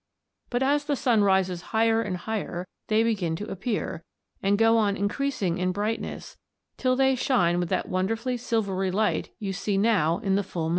But as the sun rises higher and higher they begin to appear, and go on increasing in brightness till they shine with that wonderfully silvery light you see now in the full moon."